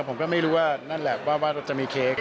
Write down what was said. ผมก็ไม่รู้ว่านั่นแหละว่าจะมีเค้ก